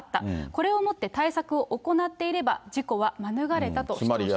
これをもって対策を行っていれば、事故は免れたと。